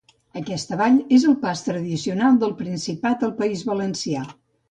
Aquesta vall és el pas tradicional del Principat al País Valencià.